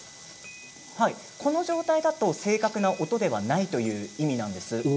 この状態だと正確な音ではないという意味なんです。